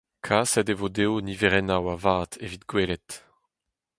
Kaset e vo dezho niverennoù a-vat evit gwelet.